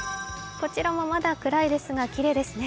こちらもまだ暗いですがきれいですね。